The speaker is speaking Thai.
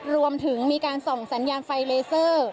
รวมถึงมีการส่องสัญญาณไฟเลเซอร์